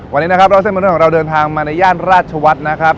วันนี้นะครับเล่าเส้นเป็นเรื่องของเราเดินทางมาในย่านราชวัฒน์นะครับ